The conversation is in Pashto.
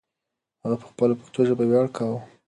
هغه په خپله پښتو ژبه ویاړ کاوه.